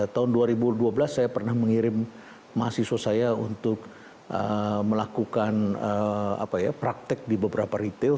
tahun dua ribu dua belas saya pernah mengirim mahasiswa saya untuk melakukan praktek di beberapa retail